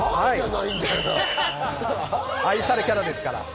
愛されキャラですから。